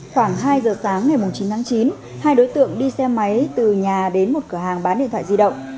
khoảng hai giờ sáng ngày chín tháng chín hai đối tượng đi xe máy từ nhà đến một cửa hàng bán điện thoại di động